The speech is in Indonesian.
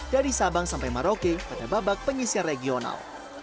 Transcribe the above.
dari sabang sampai maroke pada babak penyisir regional